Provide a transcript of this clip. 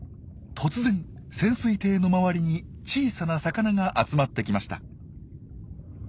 突然潜水艇の周りに小さな魚が集まってきました。